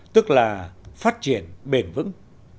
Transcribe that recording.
tức là phát triển bền vững